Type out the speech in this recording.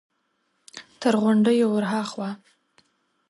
تر غونډيو ور هاخوا!